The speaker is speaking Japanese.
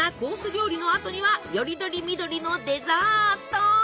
料理のあとにはより取り見取りのデザート！